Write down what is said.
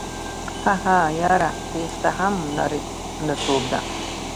هههههه یاره تیښته هم نرتوب ده